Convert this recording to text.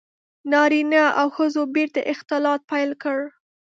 • نارینه او ښځو بېرته اختلاط پیل کړ.